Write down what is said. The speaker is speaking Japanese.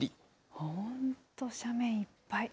本当、斜面いっぱい。